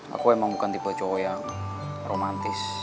aku emang bukan tipe cowok yang romantis